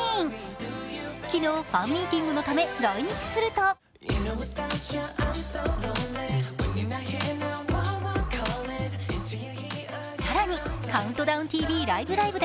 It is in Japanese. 昨日、ファンミーティングのため来日すると更に「ＣＤＴＶライブ！